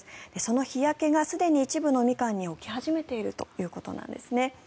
その日焼けがすでに一部のミカンに起き始めているということなんですね。